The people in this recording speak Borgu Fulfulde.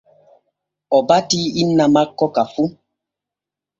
O batii inna makko ka fu.